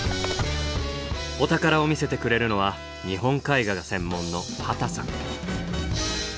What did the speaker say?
お宝を見せてくれるのは日本絵画が専門の畑さん。